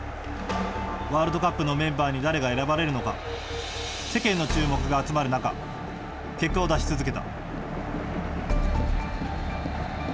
ワールドカップのメンバーに誰が選ばれるのか世間の注目が集まる中結果を出し続けた。